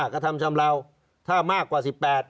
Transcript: กระทำชำราวถ้ามากกว่า๑๘